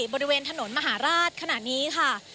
บริเวณถนนมหาราชขณะนี้ค่ะ